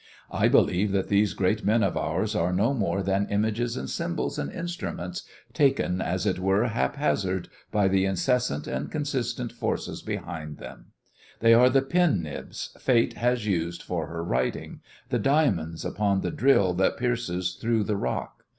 I believe that these great men of ours are no more than images and symbols and instruments taken, as it were, haphazard by the incessant and consistent forces behind them; they are the pen nibs Fate has used for her writing, the diamonds upon the drill that pierces through the rock.